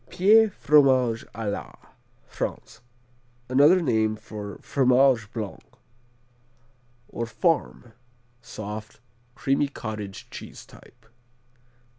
Pie, Fromage à la France Another name for Fromage Blanc or Farm; soft, creamy cottage cheese type.